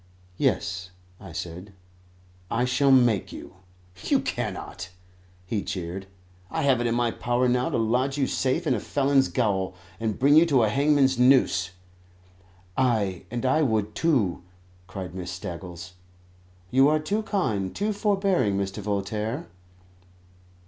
"Yes," I said; "I shall make you." "You cannot," he jeered. "I have it in my power now to lodge you safe in a felon's gaol, and bring you to a hangman's noose." "Ay, and I would too," cried Miss Staggles. "You are too kind, too forbearing, Mr. Voltaire."